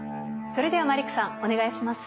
それではマリックさんお願いします。